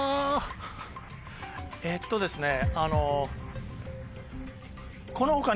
えっとですねあの。